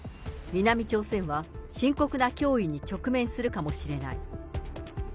南朝鮮は、深刻な脅威に直面するかもしれない。